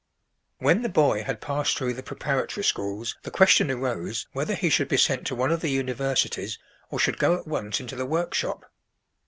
When the boy had passed through the preparatory schools, the question arose, whether he should be sent to one of the universities, or should go at once into the workshop.